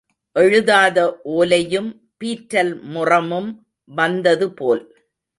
எழுதாத ஓலையும் பீற்றல் முறமும் வந்தது போல்.